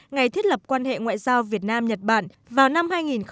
ngày thiết lập quan hệ ngoại giao việt nam nhật bản vào năm hai nghìn một mươi